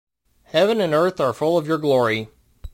Heaven and earth are full of your glory.